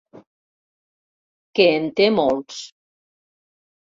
Que en té molts.